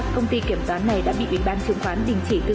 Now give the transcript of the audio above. đối với c products